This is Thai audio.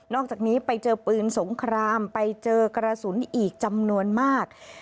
อกจากนี้ไปเจอปืนสงครามไปเจอกระสุนอีกจำนวนมาก